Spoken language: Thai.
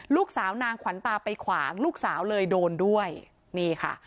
ลูกสาวนางขวัญตาไปขวางลูกสาวเลยโดนด้วยนี่ค่ะ